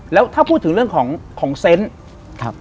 แล้วถ้าพูดถึงเรื่องของเซ็นต์